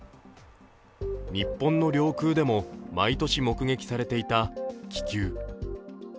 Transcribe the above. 日本の領空でも毎年目撃されていた気球。